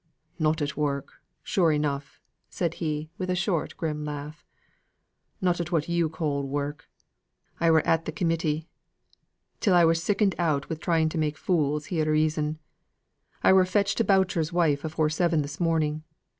"Not at work, sure enough," said he, with a short, grim laugh. "Not at what you call work. I were at the Committee, till I were sickened out wi' trying to make fools hear reason. I were fetched to Boucher's wife afore seven this morning.